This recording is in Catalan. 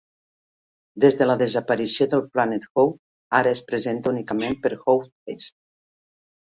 Des de la desaparició de PlanetOut, ara es presenta únicament per Outfest.